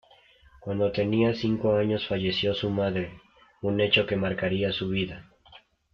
Cuando tenía cinco años falleció su madre, un hecho que marcaría su vida.